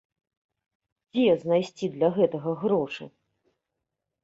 Дзе знайсці для гэтага грошы?